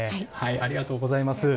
ありがとうございます。